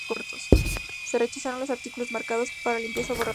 Se rechazaron los artículos marcados para limpieza o borrado.